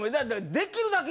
できるだけ